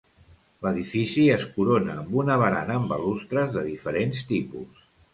L'edifici es corona amb una barana amb balustres de diferents tipus.